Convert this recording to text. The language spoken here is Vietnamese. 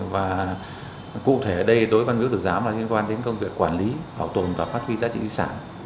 và cụ thể ở đây đối với vân miếu quốc tử giám là liên quan đến công việc quản lý bảo tồn và phát huy giá trị sản